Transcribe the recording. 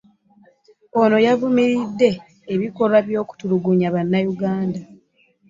Ono avumiridde ebikolwa by'okutulugunya Bannayuganda